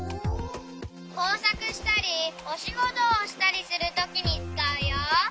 こうさくしたりおしごとをしたりするときにつかうよ。